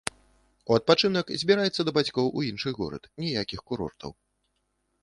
У адпачынак збіраецца да бацькоў у іншы горад, ніякіх курортаў.